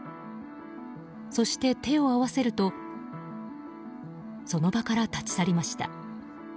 そして手を合わせるとその場から立ち去りました。